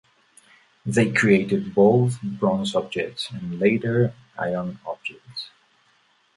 They created both bronze objects and later iron objects.